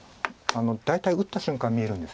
大体打った瞬間見えるんです。